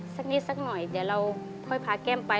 สักนิดสักหน่อยเดี๋ยวเราค่อยพาแก้มไป